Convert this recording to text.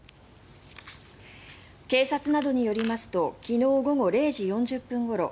警察などによりますと昨日午後０時４０分ごろ